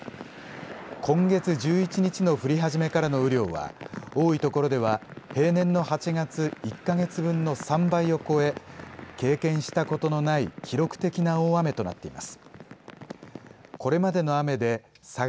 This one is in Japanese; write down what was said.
今月１１日の降り始めからの雨量は、多いところでは平年の８月１か月分の３倍を超え経験したことのない記録的な大雨となっています。